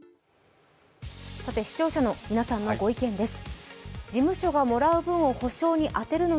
視聴者の皆さんのご意見です。